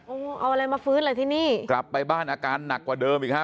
โอ้โหเอาอะไรมาฟื้นเลยที่นี่กลับไปบ้านอาการหนักกว่าเดิมอีกฮะ